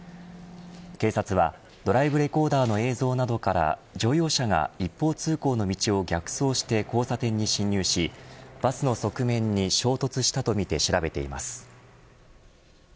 警察は、ドライブレコーダーの映像などから乗用車が一方通行の道を逆走して交差点に進入しバスの側面に衝突したとみて調べています。